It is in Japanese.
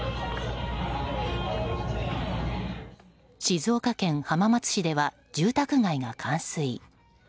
静岡県浜松市では住宅街が冠水。